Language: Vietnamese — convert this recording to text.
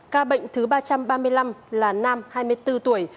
ca bệnh thứ ba trăm ba mươi năm là nam hai mươi bốn tuổi